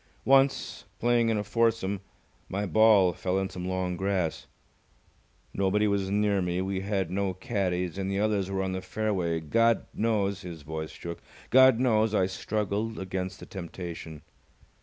Once, playing in a foursome, my ball fell in some long grass. Nobody was near me. We had no caddies, and the others were on the fairway. God knows " His voice shook. "God knows I struggled against the temptation.